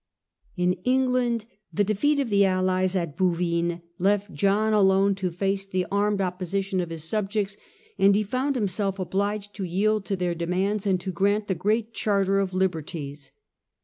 In England, the defeat of the allies at Bouvines left John alone to face the armed opposition of his subjects, and he found himself obliged to yield to their demands and to grant the great Charter of Liberties.